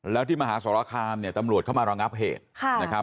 แล้วที่มหาสรคามเนี่ยตำรวจเข้ามาระงับเหตุนะครับ